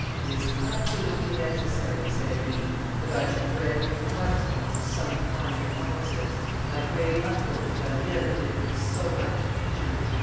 "It is absolutely necessary," said he, "that I should render the Protestants some kind offices; my great uncle De Baville did them so much injury!"